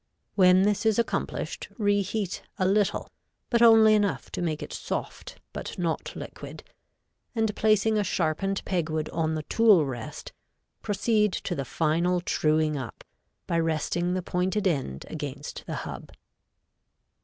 When this is accomplished re heat a little, but only enough to make it soft, but not liquid, and placing a sharpened peg wood on the tool rest proceed to the final truing up, by resting the pointed end against the hub.